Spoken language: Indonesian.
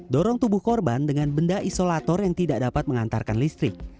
dorong tubuh korban dengan benda isolator yang tidak dapat mengantarkan listrik